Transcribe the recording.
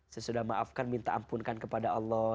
sesudah maafkan minta ampunkan kepada allah